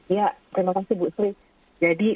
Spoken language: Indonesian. iya terima kasih ibu sri